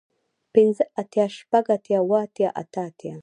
پنځۀ اتيا شپږ اتيا اووه اتيا اتۀ اتيا